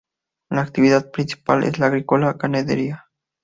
La actividad principal es la agrícola-ganadera.